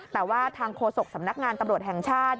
แต่ว่าทางโฆษกสำนักงานตำรวจแห่งชาติ